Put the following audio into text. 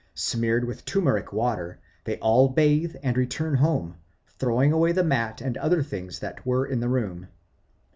Smeared with turmeric water, they all bathe and return home, throwing away the mat and other things that were in the room.